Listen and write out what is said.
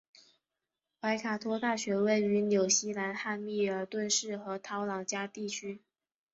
怀卡托大学位于纽西兰汉密尔顿市和陶朗加地区。